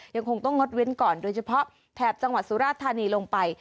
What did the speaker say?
ยังคงต้องงดเว้นก่อนโดยเฉพาะแถบจังหวัดสุราธานีลงไป